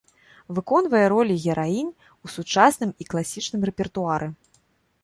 Выконвае ролі гераінь у сучасным і класічным рэпертуары.